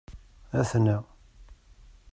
Aten-a!